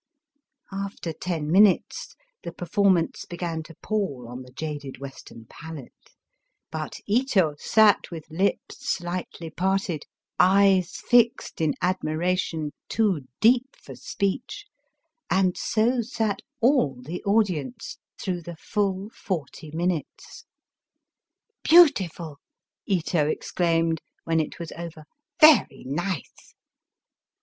After ten minutes the performance began to pall on the jaded Western palate. But Ito sat with lips slightly parted, eyes fixed in admiration too deep for speech, and so sat aU the audience through the full forty minutes. " Beautiful !" Ito exclaimed, when it was over. Very nice."